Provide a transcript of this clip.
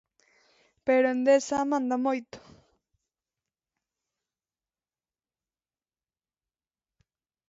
Pero Endesa manda moito.